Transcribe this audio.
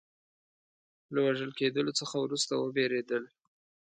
له وژل کېدلو څخه وروسته وبېرېدل.